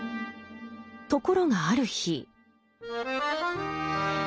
ところがある日。